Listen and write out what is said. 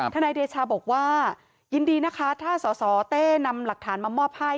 นายเดชาบอกว่ายินดีนะคะถ้าสสเต้นำหลักฐานมามอบให้